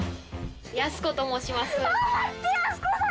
やす子と申します。